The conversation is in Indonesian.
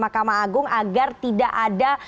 mahkamah agung agar tidak ada